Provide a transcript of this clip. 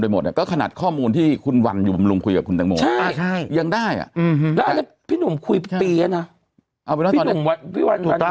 ต้องมีมีคนใกล้ชิดอะให้ไลน์เข้าเบาดำไป